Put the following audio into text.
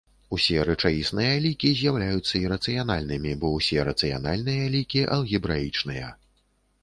Усе рэчаісныя лікі з'яўляюцца ірацыянальнымі, бо ўсе рацыянальныя лікі алгебраічныя.